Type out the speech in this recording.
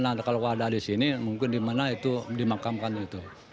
nah kalau ada di sini mungkin di mana itu dimakamkan itu